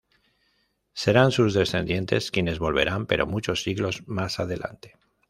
Serán sus descendientes quienes volverán, pero muchos siglos más adelante.